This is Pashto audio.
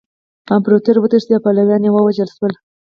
امپراطور وتښتید او پلویان یې ووژل شول.